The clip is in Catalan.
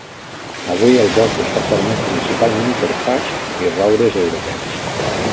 Avui el bosc està format principalment per faigs i roures europeus.